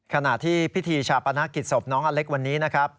ขณะที่พิธีชาปนกิจศพน้องอเล็กวันนี้นะครับ